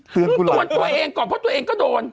เตือนตัวเองก่อนเพราะตัวเองก็โดน